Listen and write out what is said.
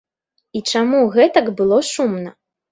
І чаму гэтак было шумна.